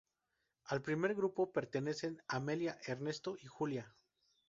Al primer grupo pertenecen Amelia, Ernesto y Julia.